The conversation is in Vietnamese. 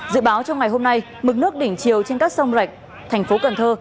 dự báo trong ngày hôm nay mực nước đỉnh chiều trên các sông rạch thành phố cần thơ